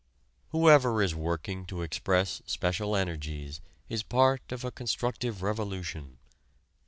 Whoever is working to express special energies is part of a constructive revolution.